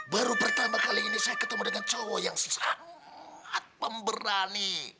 baru pertama kali ini saya ketemu dengan cowok yang sangat pemberani